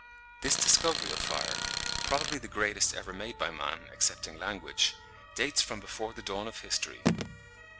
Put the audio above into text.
This discovery of fire, probably the greatest ever made by man, excepting language, dates from before the dawn of history.